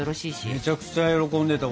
めちゃめちゃ喜んでた。